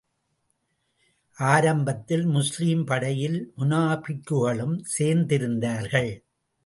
ஆரம்பத்தில், முஸ்லிம் படையில் முனாபிக்குகளும் சேர்ந்திருந்தார்கள்.